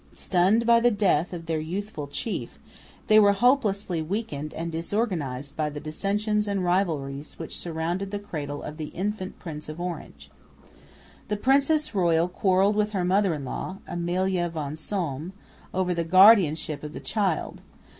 Stunned by the death of their youthful chief, they were hopelessly weakened and disorganised by the dissensions and rivalries which surrounded the cradle of the infant Prince of Orange. The princess royal quarrelled with her mother in law, Amalia von Solms, over the guardianship of the child.